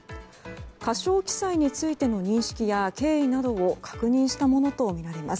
過少記載についての認識や経緯などを確認したものとみられます。